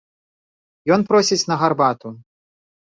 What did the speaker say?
Ён просіць на гарбату.